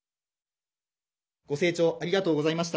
ご静聴ありがとうございました。